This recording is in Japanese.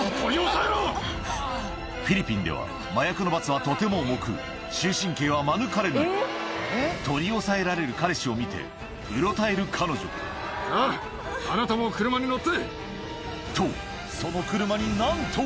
フィリピンでは麻薬の罰はとても重く終身刑は免れない取り押さえられる彼氏を見てうろたえる彼女とその車になんと！